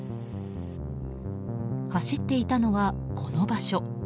走っていたのは、この場所。